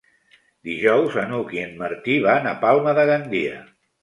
Dijous n'Hug i en Martí van a Palma de Gandia.